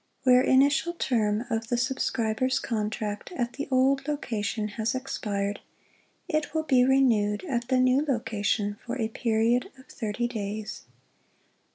Where initial term of the subscriber's contract at the old location has expired, it will be renewed at the new location for a period of thirty days.